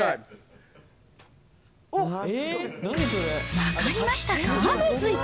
分かりましたか？